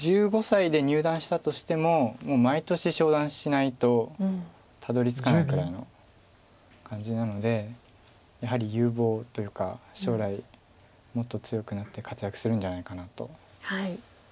１５歳で入段したとしても毎年昇段しないとたどりつかないくらいの感じなのでやはり有望というか将来もっと強くなって活躍するんじゃないかなと。